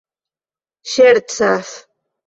ŝercas